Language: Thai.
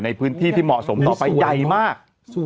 ในพื้นที่ที่เหมาะสมต่อไปใหญ่มาก